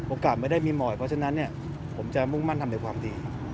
ไม่ได้มีหมอยเพราะฉะนั้นผมจะมุ่งมั่นทำในความดี